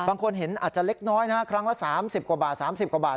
บางคนเห็นอาจจะเล็กน้อยนะครั้งละ๓๐กว่าบาท